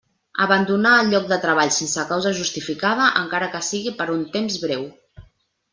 Abandonar el lloc de treball sense causa justificada, encara que sigui per un temps breu.